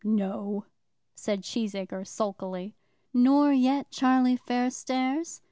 "No," said Cheesacre sulkily. "Nor yet Charlie Fairstairs?"